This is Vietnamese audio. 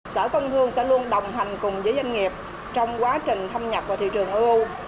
sở công thương sẽ luôn đồng hành cùng với doanh nghiệp trong quá trình thâm nhập vào thị trường eu